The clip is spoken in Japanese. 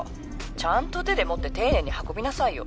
ちゃんと手で持って丁寧に運びなさいよ。